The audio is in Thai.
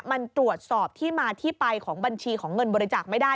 มันตรวจสอบที่มาที่ไปของบัญชีของเงินบริจาคไม่ได้